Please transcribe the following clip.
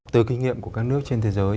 từ kinh nghiệm của các nước trên thế giới